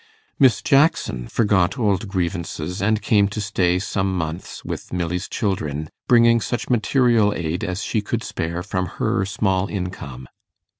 Miss Jackson forgot old grievances, and came to stay some months with Milly's children, bringing such material aid as she could spare from her small income.